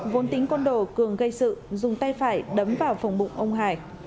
vốn tính côn đồ cường gây sự dùng tay phải đấm vào phòng bụng ông hải